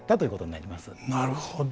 なるほど。